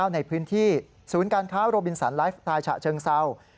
ในพื้นที่ศูนย์การค้าโรบินสันไลฟ์สไตล์ฉะเชิงเศร้า